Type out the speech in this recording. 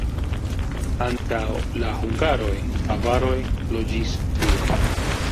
Antaŭ la hungaroj avaroj loĝis tie.